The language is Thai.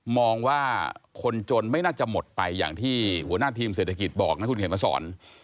มองว่าคนจนไม่น่าจะหมดไปอย่างที่หัวหน้าทีมเศรษฐกิจบอกนะคุณเขียนมาสอน